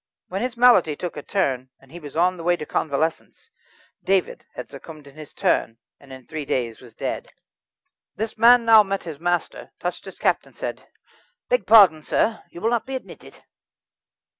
When his malady took a turn, and he was on the way to convalescence, David had succumbed in his turn, and in three days was dead. This man now met his master, touched his cap, and said: "Beg pardon, sir, you will not be admitted."